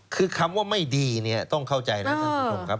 คือคำว่าไม่ดีเนี่ยต้องเข้าใจนะครับ